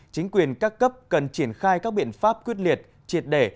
chính quyền các cấp cần triển khai các biện pháp quyết liệt triệt để